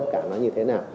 cả nó như thế nào